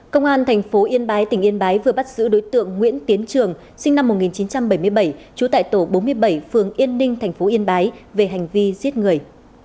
công an thành phố yên bái tỉnh yên bái vừa bắt giữ đối tượng nguyễn tiến trường sinh năm một nghìn chín trăm bảy mươi bảy trú tại tổ bốn mươi bảy phường yên ninh tp yên bái về hành vi giết người